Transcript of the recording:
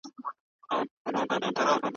هغه کسان چي پلټنه کوي بریالي کېږي.